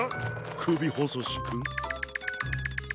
くびほそしくん。